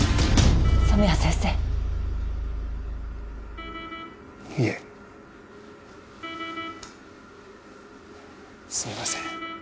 染谷先生いえすみません